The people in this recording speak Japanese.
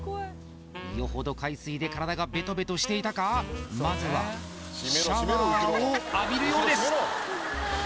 よほど海水で体がベトベトしていたかまずはシャワーを浴びるようです